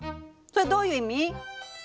それどういう意味！？